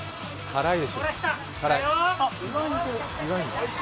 辛い！